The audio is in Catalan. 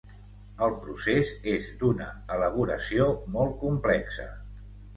El procés és d'una elaboració molt complexa.